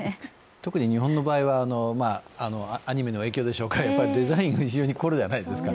特に日本の場合はアニメの影響でしょうか、デザインに非常に凝るじゃないですか。